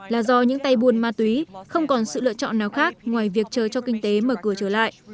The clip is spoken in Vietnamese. là do những tay buôn ma túy không còn sự lựa chọn nào khác ngoài việc chờ cho kinh tế mở cửa trở lại